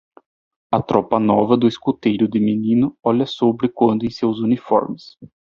A tropa nova do escuteiro de menino olha sobre quando em seus uniformes.